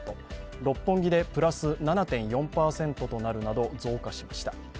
六本木でプラス７．４％となるなど増加しました。